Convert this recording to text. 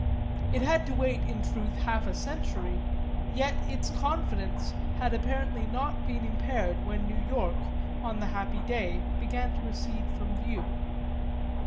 It had had to wait in truth half a century, yet its confidence had apparently not been impaired when New York, on the happy day, began to recede from view.